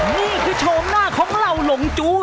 นี่คือโฉมหน้าของเหล่าหลงจู้